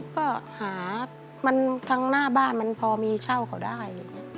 ก็หามันทั้งหน้าบ้านมันพอมีเช่าเขาได้